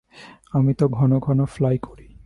আমি তো ঘন ঘন ফ্লাই করি।